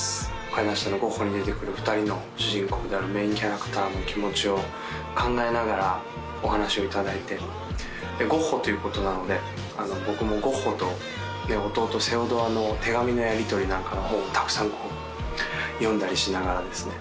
「階段下のゴッホ」に出てくる２人の主人公であるメインキャラクターの気持ちを考えながらお話をいただいてゴッホということなので僕もゴッホと弟の手紙のやりとりなんかの本をたくさんこう読んだりしながらですね